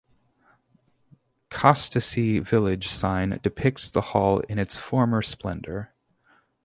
Costessey village sign depicts the hall in its former splendour.